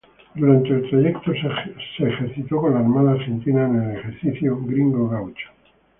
Durante el trayecto, se ejercitó con la Armada Argentina en el ejercicio Gringo-Gaucho.